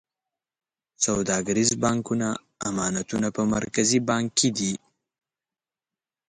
سوداګریز بانکونه امانتونه په مرکزي بانک کې ږدي.